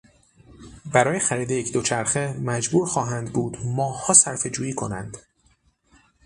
برای خریدن یک دوچرخه مجبور خواهند بود ماهها صرفهجویی کنند.